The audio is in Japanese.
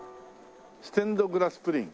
ステンドグラスプリン。